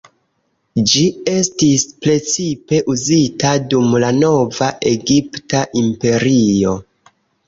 Ĝi estis precipe uzita dum la Nova Egipta Imperio.